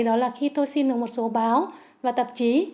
đó là khi tôi xin được một số báo và tạp chí